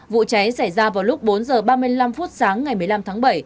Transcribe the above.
vụ cháy xảy ra vào lúc bốn h ba mươi năm phút sáng ngày một mươi năm tháng bảy